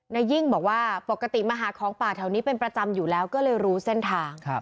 นายยิ่งบอกว่าปกติมาหาของป่าแถวนี้เป็นประจำอยู่แล้วก็เลยรู้เส้นทาง